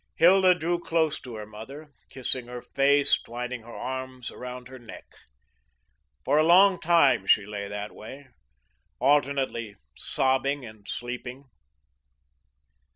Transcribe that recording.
Hilda drew close to her mother, kissing her face, twining her arms around her neck. For a long time, she lay that way, alternately sobbing and sleeping.